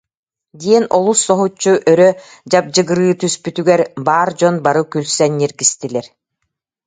диэн олус соһуччу өрө дьабдьыгырыы түспүтүгэр, баар дьон бары күлсэн ньиргистилэр